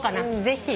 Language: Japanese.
ぜひ。